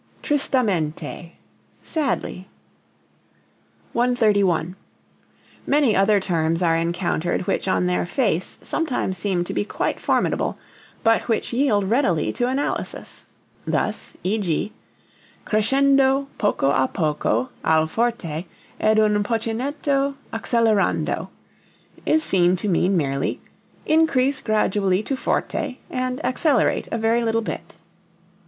Tristamente sadly. 131. Many other terms are encountered which on their face sometimes seem to be quite formidable, but which yield readily to analysis. Thus e.g., crescendo poco a poco al forte ed un pochettino accelerando, is seen to mean merely "increase gradually to forte and accelerate a very little bit."